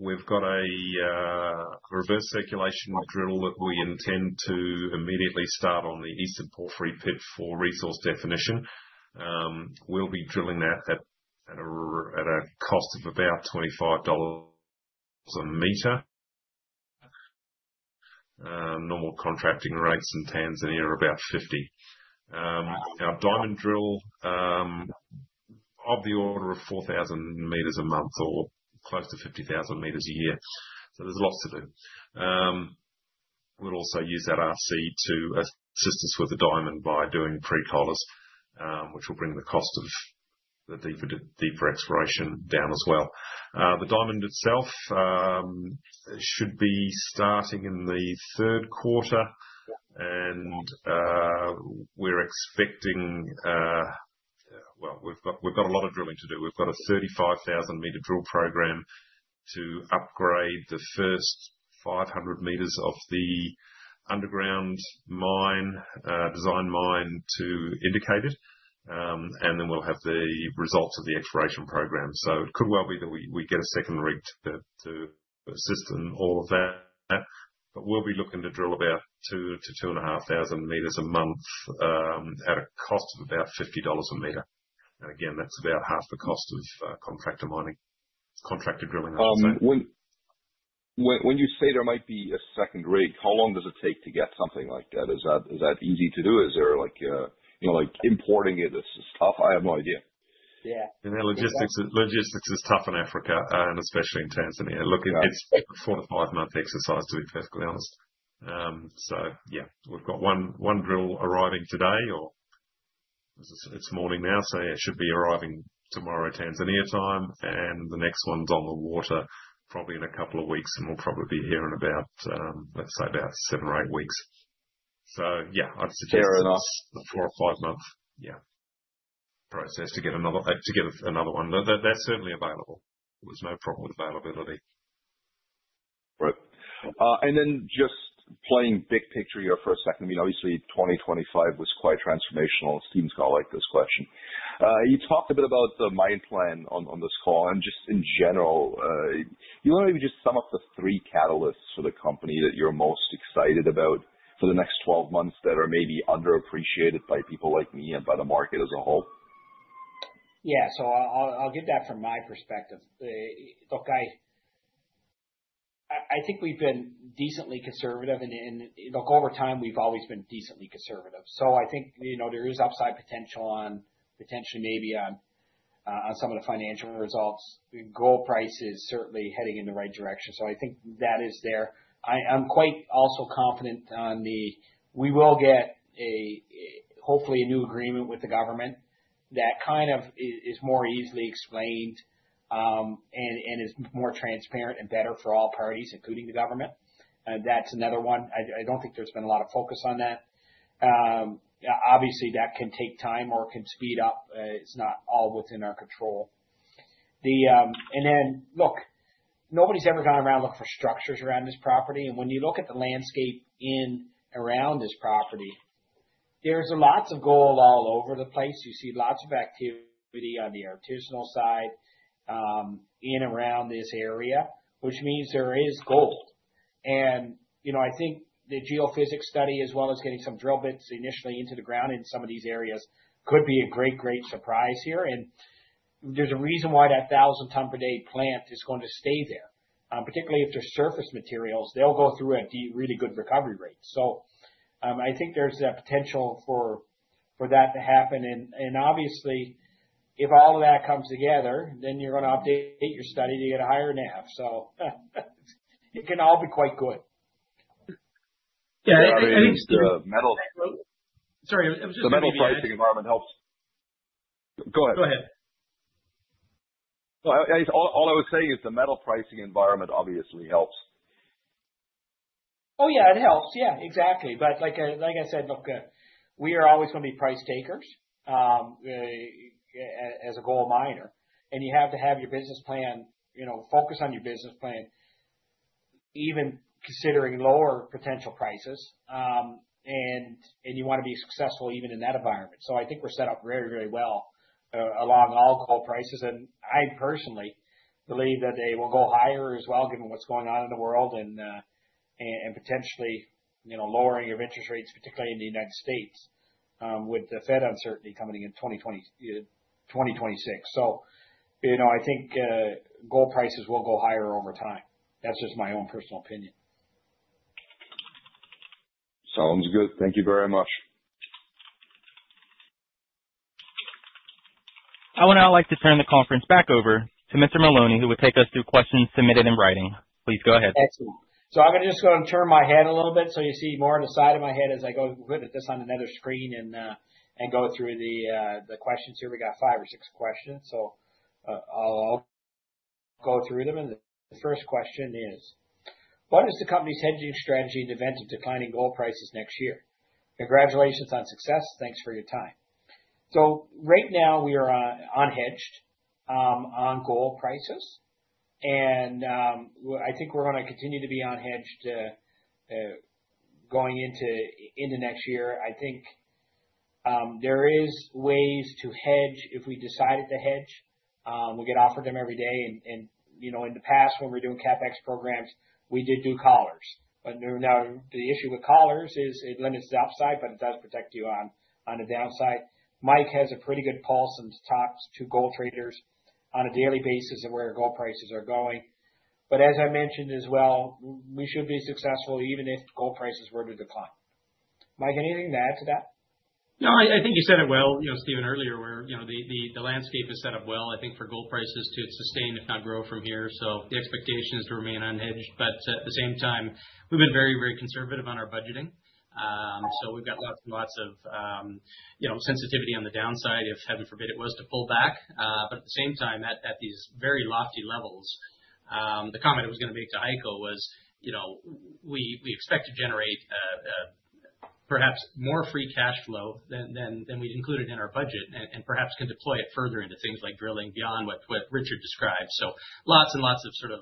we've got a reverse circulation drill that we intend to immediately start on the Eastern Porphyry Pit for resource definition. We'll be drilling that at a cost of about $25 a meter. Normal contracting rates in Tanzania are about $50. Our diamond drill, of the order of 4,000 meters a month or close to 50,000 meters a year. So there's lots to do. We'll also use that RC to assist us with the diamond by doing pre-collars, which will bring the cost of the deeper exploration down as well. The diamond itself should be starting in the third quarter, and we're expecting, well, we've got a lot of drilling to do. We've got a 35,000-meter drill program to upgrade the first 500 meters of the underground design mine to Indicated. And then we'll have the results of the exploration program. So it could well be that we get a second rig to assist in all of that. But we'll be looking to drill about two to 2,500 meters a month at a cost of about $50 a meter. And again, that's about half the cost of contractor mining, contractor drilling, I would say. When you say there might be a second rig, how long does it take to get something like that? Is that easy to do? Is there, importing it, it's tough? I have no idea. Yeah. And then logistics is tough in Africa, and especially in Tanzania. It's a four- to five-month exercise, to be perfectly honest. So yeah, we've got one drill arriving today, or it's morning now, so it should be arriving tomorrow, Tanzania time. And the next one's on the water probably in a couple of weeks. And we'll probably be here in about, let's say, about seven or eight weeks. So yeah, I'd suggest. Fair enough. A four or five-month process to get another one. That's certainly available. There's no problem with availability. Right. And then just playing big picture here for a second, I mean, obviously, 2025 was quite transformational. Stephen's got to like this question. You talked a bit about the mine plan on this call. Just in general, you want to maybe just sum up the three catalysts for the company that you're most excited about for the next 12 months that are maybe underappreciated by people like me and by the market as a whole? Yeah. So I'll give that from my perspective. Look, I think we've been decently conservative. And look, over time, we've always been decently conservative. So I think there is upside potential on potentially maybe on some of the financial results. The gold price is certainly heading in the right direction. So I think that is there. I'm quite also confident on the—we will get hopefully a new agreement with the government that kind of is more easily explained and is more transparent and better for all parties, including the government. That's another one. I don't think there's been a lot of focus on that. Obviously, that can take time or can speed up. It's not all within our control. And then, look, nobody's ever gone around looking for structures around this property. And when you look at the landscape in and around this property, there's lots of gold all over the place. You see lots of activity on the artisanal side in and around this area, which means there is gold. And I think the geophysics study, as well as getting some drill bits initially into the ground in some of these areas, could be a great, great surprise here. And there's a reason why that 1,000-ton-per-day plant is going to stay there, particularly if they're surface materials. They'll go through a really good recovery rate. So I think there's a potential for that to happen. And obviously, if all of that comes together, then you're going to update your study to get a higher NAV. So it can all be quite good. Yeah. I think the- Sorry. I was just saying that. The metal pricing environment helps. Go ahead. Go ahead. All I was saying is the metal pricing environment obviously helps. Oh, yeah. It helps. Yeah. Exactly. But like I said, look, we are always going to be price takers as a gold miner. And you have to have your business plan, focus on your business plan, even considering lower potential prices. And you want to be successful even in that environment. So I think we're set up very, very well along all gold prices. And I personally believe that they will go higher as well, given what's going on in the world and potentially lowering of interest rates, particularly in the United States with the Fed uncertainty coming in 2026. So I think gold prices will go higher over time. That's just my own personal opinion. Sounds good. Thank you very much. I would now like to turn the conference back over to Mr. Mullowney, who will take us through questions submitted in writing. Please go ahead. Excellent. So I'm going to just go and turn my head a little bit, so you see more on the side of my head as I go and look at this on another screen and go through the questions here. We got five or six questions, so I'll go through them and the first question is, what is the company's hedging strategy in the event of declining gold prices next year? Congratulations on success. Thanks for your time, so right now we are unhedged on gold prices and I think we're going to continue to be unhedged going into next year. I think there are ways to hedge if we decided to hedge. We get offered them every day and in the past, when we were doing CapEx programs, we did do collars. But now the issue with collars is it limits the upside, but it does protect you on the downside. Mike has a pretty good pulse and talks to gold traders on a daily basis of where gold prices are going. But as I mentioned as well, we should be successful even if gold prices were to decline. Mike, anything to add to that? No, I think you said it well, Stephen, earlier where the landscape is set up well. I think for gold prices to sustain, if not grow, from here. So the expectation is to remain unhedged. But at the same time, we've been very, very conservative on our budgeting. So we've got lots and lots of sensitivity on the downside if, heaven forbid, it was to pull back. But at the same time, at these very lofty levels, the comment I was going to make to Heiko was, we expect to generate perhaps more free cash flow than we'd included in our budget and perhaps can deploy it further into things like drilling beyond what Richard described. So lots and lots of sort of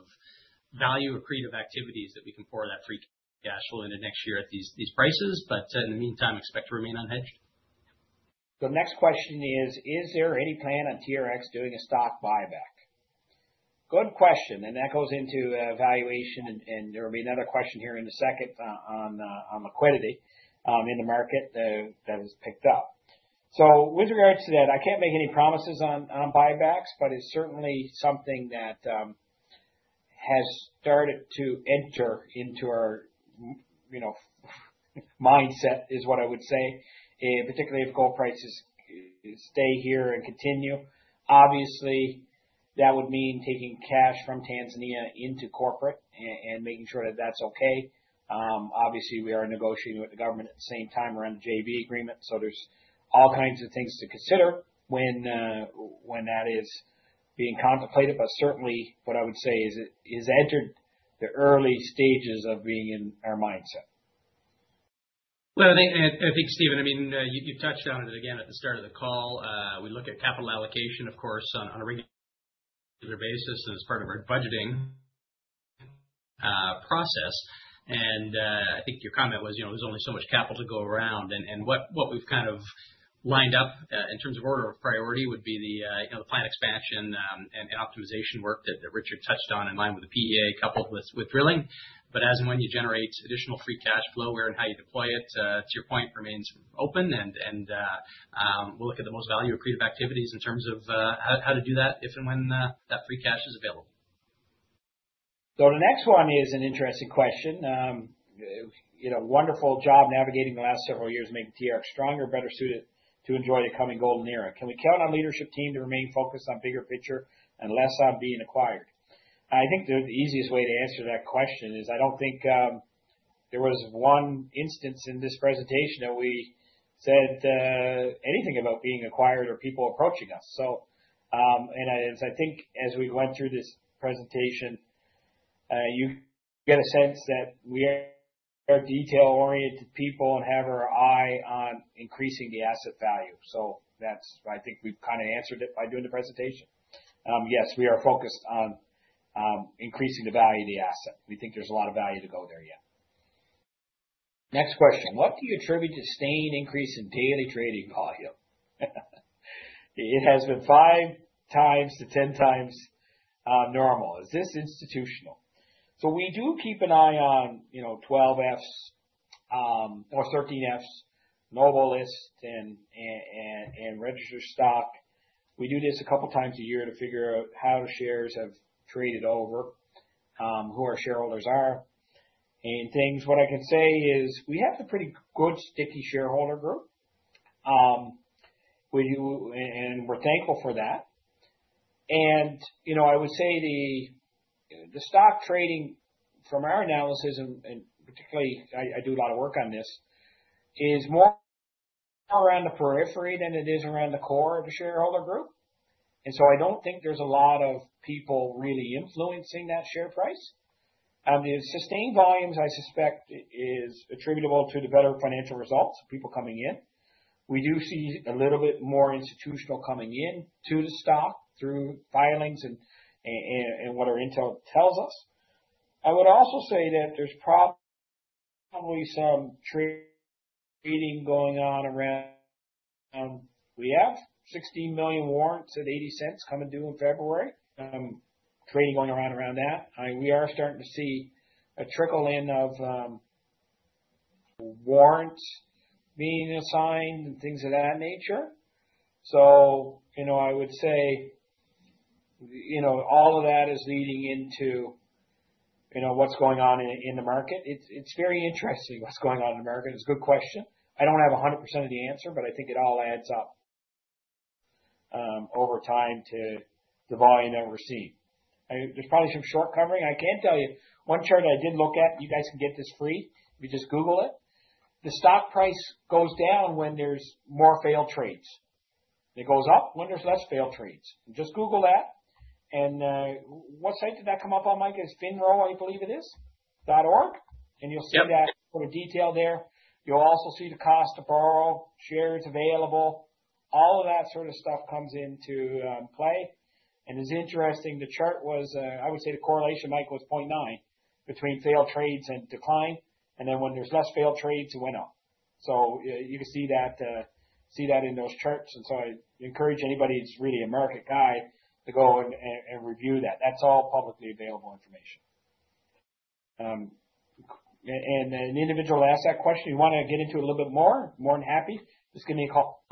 value accretive activities that we can pour that free cash flow into next year at these prices. But in the meantime, expect to remain unhedged. The next question is, is there any plan on TRX doing a stock buyback? Good question. And that goes into valuation. And there will be another question here in a second on liquidity in the market that has picked up. So with regards to that, I can't make any promises on buybacks, but it's certainly something that has started to enter into our mindset, is what I would say, particularly if gold prices stay here and continue. Obviously, that would mean taking cash from Tanzania into corporate and making sure that that's okay. Obviously, we are negotiating with the government at the same time around the JV agreement. So there's all kinds of things to consider when that is being contemplated. But certainly, what I would say is it has entered the early stages of being in our mindset. Well, I think, Stephen, I mean, you've touched on it again at the start of the call. We look at capital allocation, of course, on a regular basis as part of our budgeting process. And I think your comment was there's only so much capital to go around. And what we've kind of lined up in terms of order of priority would be the plant expansion and optimization work that Richard touched on in line with the PEA coupled with drilling. But as and when you generate additional free cash flow, where and how you deploy it, to your point, remains open. And we'll look at the most value accretive activities in terms of how to do that if and when that free cash is available. So the next one is an interesting question. Wonderful job navigating the last several years making TRX stronger, better suited to enjoy the coming golden era. Can we count on a leadership team to remain focused on bigger picture and less on being acquired? I think the easiest way to answer that question is I don't think there was one instance in this presentation that we said anything about being acquired or people approaching us. And I think as we went through this presentation, you get a sense that we are detail-oriented people and have our eye on increasing the asset value. So that's why I think we've kind of answered it by doing the presentation. Yes, we are focused on increasing the value of the asset. We think there's a lot of value to go there yet. Next question. What do you attribute to sustained increase in daily trading volume? It has been five times to 10 times normal. Is this institutional? So we do keep an eye on 13Fs, NOBO List, and registered stock. We do this a couple of times a year to figure out how shares have traded over, who our shareholders are. And what I can say is we have a pretty good sticky shareholder group. And we're thankful for that. And I would say the stock trading, from our analysis, and particularly I do a lot of work on this, is more around the periphery than it is around the core of the shareholder group. And so I don't think there's a lot of people really influencing that share price. The sustained volumes, I suspect, are attributable to the better financial results of people coming in. We do see a little bit more institutional coming into the stock through filings and what our intel tells us. I would also say that there's probably some trading going on around. We have 16 million warrants at $0.80 come due in February. Trading going on around that. We are starting to see a trickle in of warrants being assigned and things of that nature. So I would say all of that is leading into what's going on in the market. It's very interesting what's going on in the market. It's a good question. I don't have 100% of the answer, but I think it all adds up over time to the volume that we're seeing. There's probably some short covering. I can tell you one chart I did look at. You guys can get this free. You just Google it. The stock price goes down when there's more failed trades. It goes up when there's less failed trades. Just Google that. And what site did that come up on, Mike? It's FINRA, I believe it is, .org. And you'll see that sort of detail there. You'll also see the cost to borrow, shares available. All of that sort of stuff comes into play. And it's interesting. The chart was, I would say the correlation, Mike, was 0.9 between failed trades and decline. And then when there's less failed trades, it went up. So you can see that in those charts. And so I encourage anybody who's really a market guy to go and review that. That's all publicly available information. And an individual asked that question. You want to get into it a little bit more? More than happy. Just give me a call.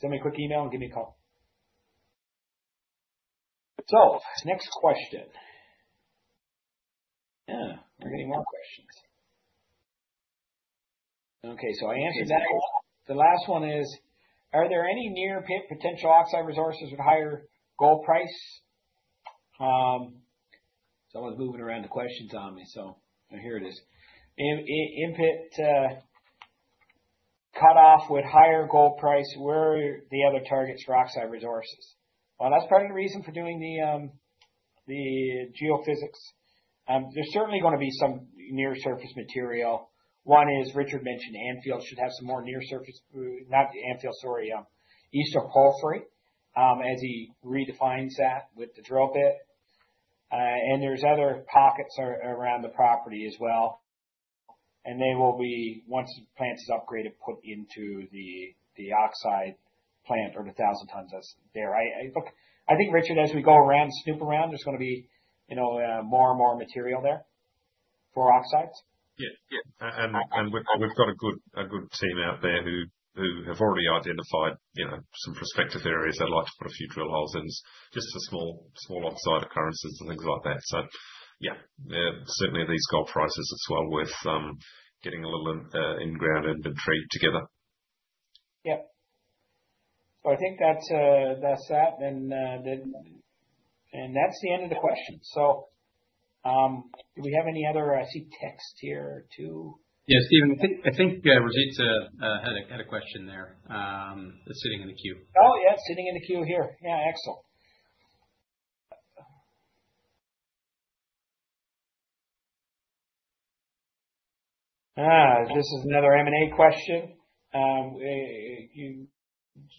Send me a quick email and give me a call. So next question. Yeah. We're getting more questions. Okay. So I answered that. The last one is, are there any near-pit potential oxide resources with higher gold price? Someone's moving around the questions on me. So here it is. In-pit cutoff with higher gold price. Where are the other targets for oxide resources? Well, that's part of the reason for doing the geophysics. There's certainly going to be some near-surface material. One is Richard mentioned Anfield should have some more near-surface, not Anfield, sorry, Eastern Porphyry as he redefines that with the drill bit. And there's other pockets around the property as well. And they will be, once the plant is upgraded, put into the oxide plant or the 1,000 tons that's there. I think, Richard, as we go around, snoop around, there's going to be more and more material there for oxides. Yeah. Yeah. And we've got a good team out there who have already identified some prospective areas they'd like to put a few drill holes in. Just small oxide occurrences and things like that. So yeah, certainly these gold prices are well worth getting a little in-ground inventory together. Yep. So I think that's that. And that's the end of the question. So do we have any other? I see text here too. Yeah. Stephen, I think Rosita had a question there. It's sitting in the queue. Oh, yeah. Sitting in the queue here. Yeah. Excellent. This is another M&A question.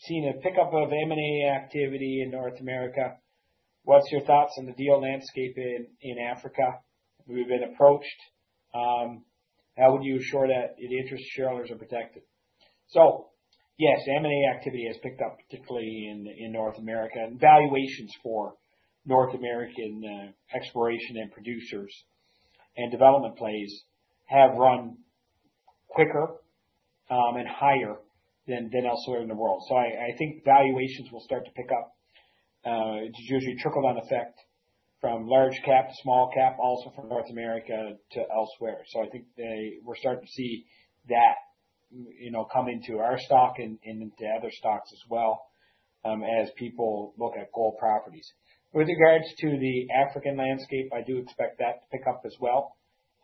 Seen a pickup of M&A activity in North America. What's your thoughts on the deal landscape in Africa? We've been approached. How would you assure that it interests shareholders are protected? So yes, M&A activity has picked up, particularly in North America, and valuations for North American exploration and producers and development plays have run quicker and higher than elsewhere in the world, so I think valuations will start to pick up. It's usually trickle-down effect from large-cap to small-cap, also from North America to elsewhere, so I think we're starting to see that come into our stock and into other stocks as well as people look at gold properties. With regards to the African landscape, I do expect that to pick up as well,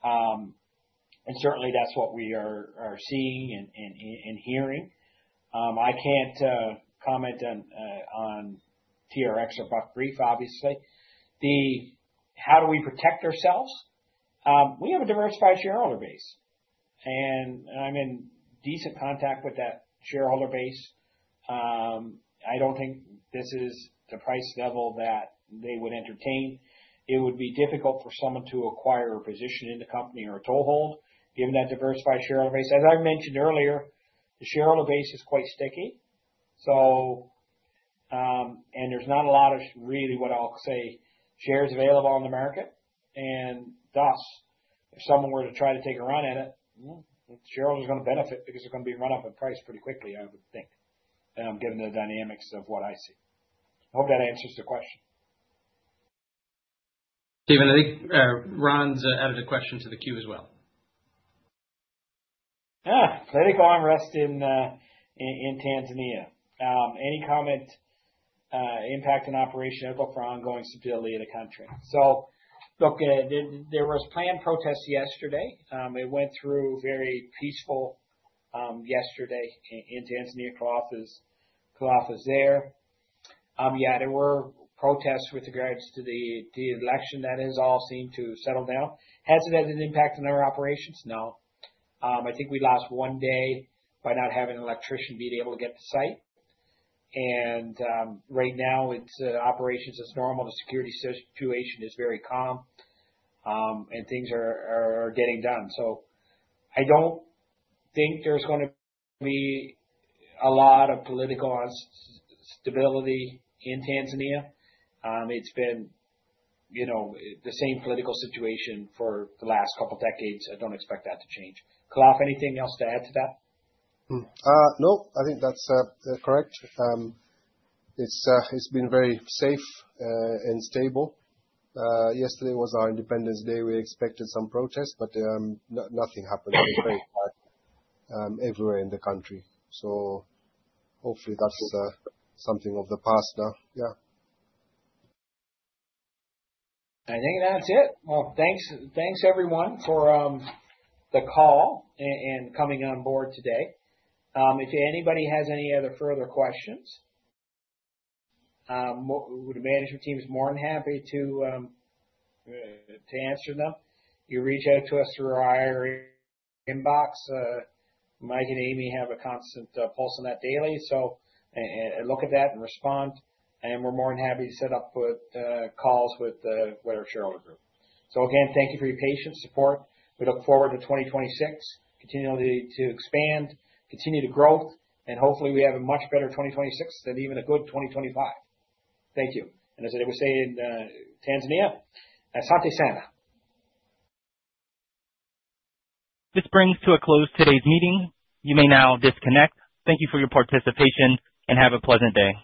and certainly, that's what we are seeing and hearing. I can't comment on TRX or Buckreef, obviously. How do we protect ourselves? We have a diversified shareholder base, and I'm in decent contact with that shareholder base. I don't think this is the price level that they would entertain. It would be difficult for someone to acquire a position in the company or a toehold given that diversified shareholder base. As I mentioned earlier, the shareholder base is quite sticky, and there's not a lot of really what I'll say shares available on the market, and thus, if someone were to try to take a run at it, shareholders are going to benefit because they're going to be run up in price pretty quickly, I would think, given the dynamics of what I see. I hope that answers the question. Stephen, I think Ron's added a question to the queue as well. Yeah. Civil unrest in Tanzania. Any comment? Impact on operations or ongoing stability of the country. So look, there were planned protests yesterday. It went very peacefully yesterday in Dar es Salaam there. Yeah, there were protests with regards to the election. That has all seemed to settle down. Has it had an impact on our operations? No. I think we lost one day by not having an electrician be able to get to site. And right now, operations is normal. The security situation is very calm. And things are getting done. So I don't think there's going to be a lot of political instability in Tanzania. It's been the same political situation for the last couple of decades. I don't expect that to change. Khalaf, anything else to add to that? No, I think that's correct. It's been very safe and stable. Yesterday was our Independence Day. We expected some protests, but nothing happened everywhere in the country. So hopefully that's something of the past now. Yeah. I think that's it. Well, thanks everyone for the call and coming on board today. If anybody has any other further questions, the management team is more than happy to answer them. You reach out to us through our inbox. Mike and me have a constant pulse on that daily. So look at that and respond. And we're more than happy to set up calls with whatever shareholder group. So again, thank you for your patience, support. We look forward to 2026, continuing to expand, continue to grow, and hopefully we have a much better 2026 than even a good 2025. Thank you. And as I was saying, Tanzania, asante sana. This brings to a close today's meeting. You may now disconnect. Thank you for your participation and have a pleasant day.